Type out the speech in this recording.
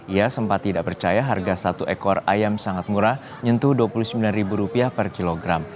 ia sempat tidak percaya harga satu ekor ayam sangat murah nyentuh rp dua puluh sembilan per kilogram